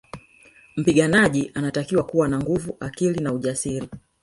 Mpiganaji anatakiwa kuwa na nguvu akili na ujasiri